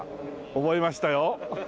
覚えましたよ。